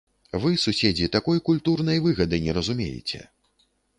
Вы, суседзі, такой культурнай выгады не разумееце.